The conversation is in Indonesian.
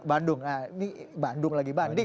bandung ini bandung lagi banding